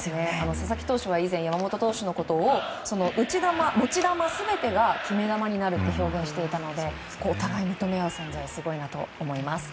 佐々木投手は以前山本投手のことを、持ち球全てが決め球になると表現していたのでお互いに認め合う存在すごいなと思います。